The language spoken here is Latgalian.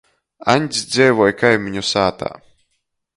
Aņds dzeivoj kaimiņu sātā.